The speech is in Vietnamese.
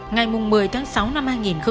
ngày một mươi tháng sáu năm hai nghìn một mươi tám